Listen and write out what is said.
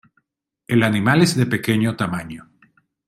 El animal es de pequeño tamaño.